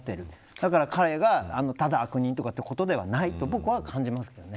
だから、彼がただ悪人とかということではないと僕は感じますけどね。